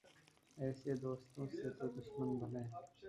ایسے دوستو سے تو دشمن بھلے